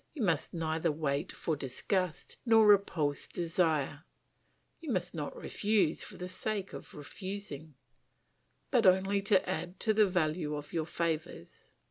You must neither wait for disgust nor repulse desire; you must not refuse for the sake of refusing, but only to add to the value of your favours."